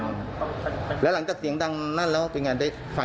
ยายไม่เห็นเพราะมันอยู่ข้างในนี้เพราะเข้ามาไม่ได้